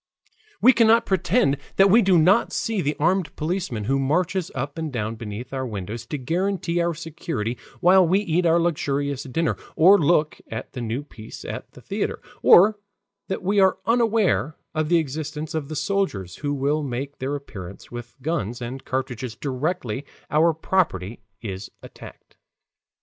We cannot pretend that we do not see the armed policeman who marches up and down beneath our windows to guarantee our security while we eat our luxurious dinner, or look at the new piece at the theater, or that we are unaware of the existence of the soldiers who will make their appearance with guns and cartridges directly our property is attacked.